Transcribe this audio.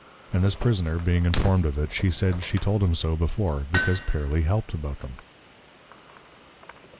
And this Prisoner being informed of it, she said, She told him so before, because Pearly helped about them.